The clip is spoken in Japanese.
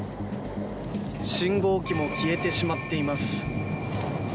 信号機も消えてしまっています。